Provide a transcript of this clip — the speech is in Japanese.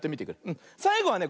さいごはね